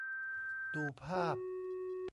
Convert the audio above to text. ดูภาพ